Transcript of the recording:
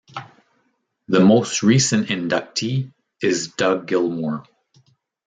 The most recent inductee is Doug Gilmour.